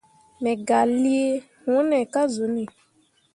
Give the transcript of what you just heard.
Me gah lii hunni ka zuni.